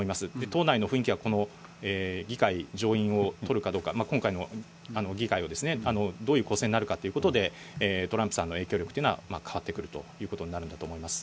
党内の雰囲気は、この議会上院をとるかどうか、今回の議会を、どういう構成になるかということで、トランプさんの影響力というのは変わってくるということになるのかと思います。